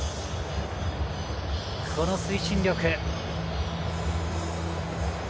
この推進力。